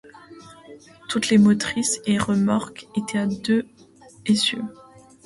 Toutes les motrices et remorques étaient à deux essieux.